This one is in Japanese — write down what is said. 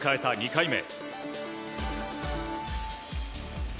２回目。